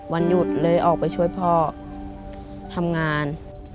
วันหยุดเลยออกไปช่วยพ่อทำงาน